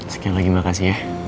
sekian lagi makasih ya